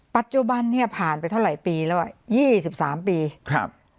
ปัจจุบันเนี้ยผ่านไปเท่าไหร่ปีแล้วอ่ะยี่สิบสามปีครับ